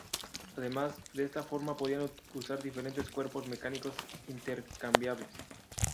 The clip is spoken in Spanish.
Además, de esta forma podían usar diferentes cuerpos mecánicos intercambiables.